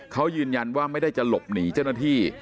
เขายืนยันว่าไม่ได้จะหลบหนีเจ้าหน้าที่